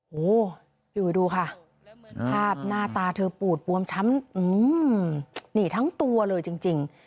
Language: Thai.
โหอยู่ดูค่ะภาพหน้าตาเธอปูดปวมช้ำอื้อนี่ทั้งตัวเลยจริง